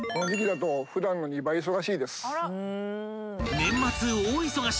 ［年末大忙し！